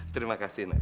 terima kasih nak